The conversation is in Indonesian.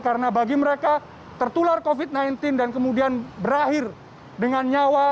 karena bagi mereka tertular covid sembilan belas dan kemudian berakhir dengan nyawa